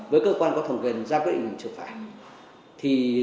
với cơ quan có thông quyền giao quyết định trực phạm